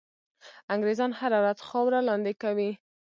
انګرېزان هره ورځ خاوره لاندي کوي.